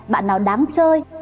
bạn nào đáng chơi